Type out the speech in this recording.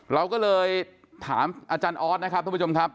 เราก็เลยถามอาจารย์ออสนะครับท่านผู้ชมครับ